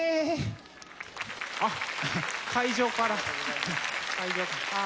あっ会場から。